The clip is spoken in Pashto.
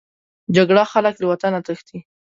جګړه خلک له وطنه تښتي